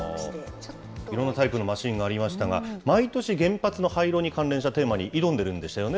いろんなタイプのマシンがありましたが、毎年、原発の廃炉に関連したテーマに挑んでるんでしたよね。